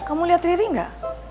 kamu liat riri gak